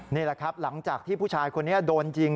นี่แหละครับหลังจากที่ผู้ชายคนนี้โดนยิง